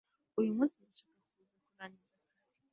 uyumunsi ndashaka kuza kurangiza kare